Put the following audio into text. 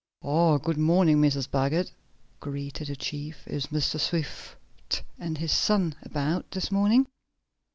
"Ah, good morning, Mrs. Baggert," greeted the chief. "Is Mr. Swift and his son about this morning?"